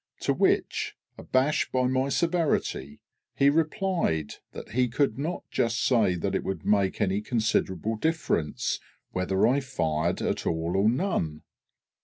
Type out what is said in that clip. To which, abashed by my severity, he replied that he could not just say that it would make any considerable difference whether I fired at all or none.